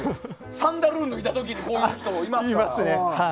サンダル脱いだ時にこういう人いますよね。